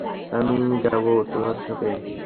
আমি যাবো তোমার সাথে।